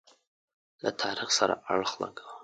له تاریخ سره اړخ لګوي.